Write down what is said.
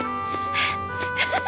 ハハハハ！